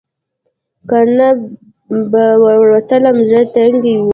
که نه به ورتلم زړه تنګۍ و.